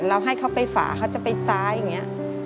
เราให้เค้าไปฝาเค้าจะไปซ้ายอย่างนี้